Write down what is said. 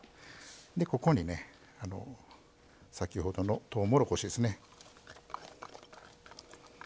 ここにね先ほどのとうもろこしですね。